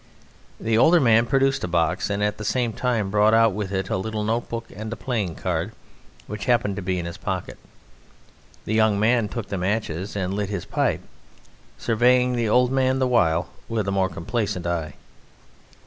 The older man produced a box and at the same time brought out with it a little notebook and a playing card which happened to be in his pocket. The young man took the matches and lit his pipe, surveying the old man the while with a more complacent eye.